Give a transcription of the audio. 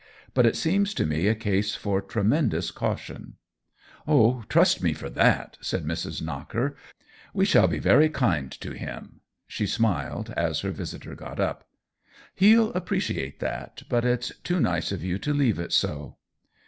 But it seems to me a case for tremendous caution." Oh, trust me for that !" said Mrs. Knock er. " We shall be very kind to him," she smiled, as her visitor got up. " He'll appreciate that. But it's too nice of you to leave it so."